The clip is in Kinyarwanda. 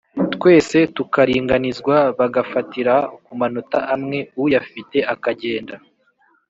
twese tukaringanizwa, bagafatira ku manota amwe, uyafite akagenda,